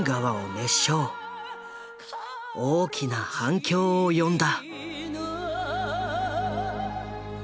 大きな反響を呼んだ。